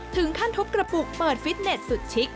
ถึงขั้นทุบกระปุกเปิดฟิตเน็ตสุดชิค